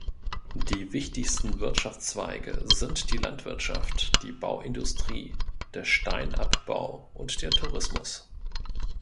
Die wichtigsten Wirtschaftszweige sind die Landwirtschaft, die Bauindustrie, der Steinabbau und der Tourismus.